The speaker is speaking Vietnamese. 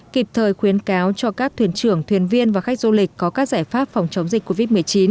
kịp thời khuyến cáo cho các thuyền trưởng thuyền viên và khách du lịch có các giải pháp phòng chống dịch covid một mươi chín